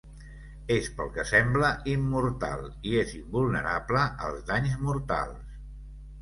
És pel que sembla immortal, i és invulnerable als danys mortals.